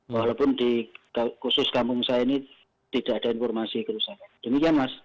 walaupun di khusus kampung saya ini tidak ada informasi kerusakan demikian mas